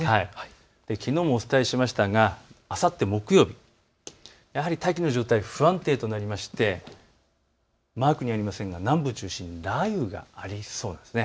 きのうもお伝えしましたがあさって木曜日、やはり大気の状態、不安定となりまして南部を中心に雷雨がありそうです。